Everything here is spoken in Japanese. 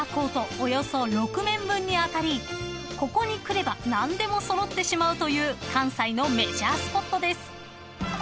およそ６面分に当たりここに来れば何でも揃ってしまうという関西のメジャースポットです］